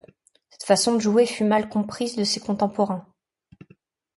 Cette façon de jouer fut mal comprise des ses contemporains.